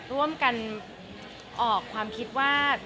ร่วมกันออกความคิดว่า